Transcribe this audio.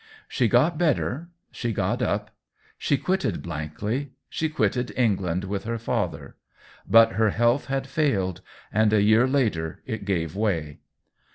She got better, she got up, she quitted Blankley, she quitted England with her father; but her health had failed, and a 96 THE WHEEL OF TIME year later it gave way.